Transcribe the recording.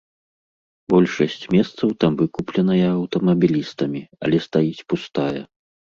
Большасць месцаў там выкупленая аўтамабілістамі, але стаіць пустая.